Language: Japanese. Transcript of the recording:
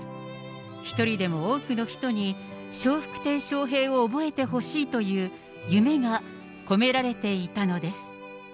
一人でも多くの人に笑福亭笑瓶を覚えてほしいという夢が込められていたのです。